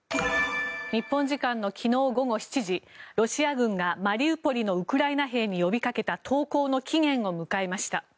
日本時間の昨日午後７時ロシア軍がマリウポリのウクライナ兵に呼びかけた投降の期限を迎えました。